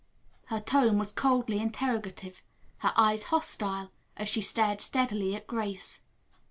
Her tone was coldly interrogative, her eyes hostile, as she stared steadily at Grace.